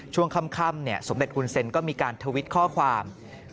ช่วงค่ำสมเด็จหุ่นเซ็นก็มีการทวิตข้อความ